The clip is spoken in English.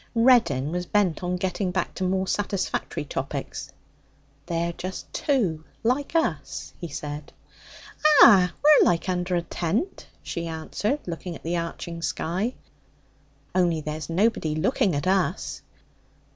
Reddin was bent on getting back to more satisfactory topics. 'They're just two, like us,' he said. 'Ah! We're like under a tent,' she answered, looking at the arching sky. 'Only there's nobody looking at us.'